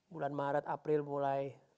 bulan maret april mulai